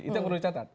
itu yang perlu dicatat